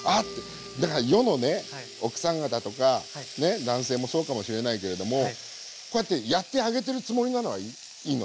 だから世のね奥さん方とか男性もそうかもしれないけれどもこうやってやってあげてるつもりなのはいいのね。